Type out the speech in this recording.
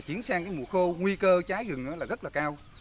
chuyển sang mùa khô nguy cơ trái rừng rất cao